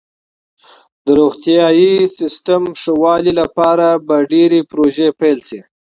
د روغتیا سیستم ښه والي لپاره به ډیرې پروژې پیل شي.